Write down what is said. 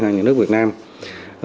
thì tôi nghĩ đó có mục đích